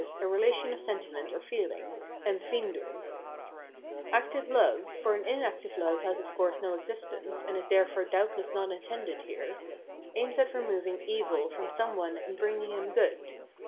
a relation of sentiment or feeling (Empfindung). Active love — for an inactive love has of course no existence, and is therefore doubtless not intended here — aims at removing evil from some one and bringing him good.